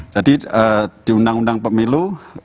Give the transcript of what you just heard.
jadi di undang undang pemilu